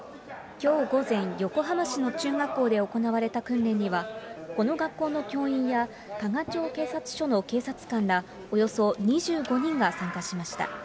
きょう午前、横浜市の中学校で行われた訓練には、この学校の教員や加賀町警察署の警察官らおよそ２５人が参加しました。